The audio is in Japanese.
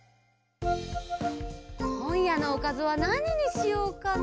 こんやのおかずはなににしようかな。